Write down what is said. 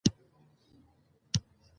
اقلیم د افغانستان د کلتوري میراث برخه ده.